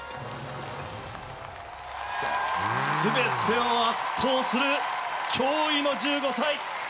全てを圧倒する驚異の１５歳！